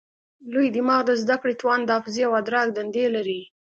لوی دماغ د زده کړې، توان، حافظې او ادراک دندې لري.